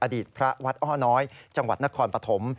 อดีตพระวัดอ้อน้อยจังหวัดนครปฐม